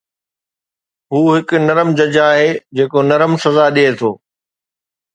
هو هڪ نرم جج آهي جيڪو نرم سزا ڏئي ٿو